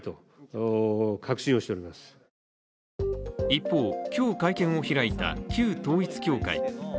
一方、今日、会見を開いた旧統一教会。